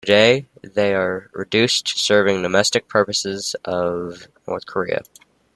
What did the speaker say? Today, they are reduced to serving domestic purposes of North Korea.